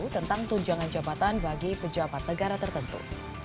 tentang tunjangan jabatan bagi pejabat negara tertentu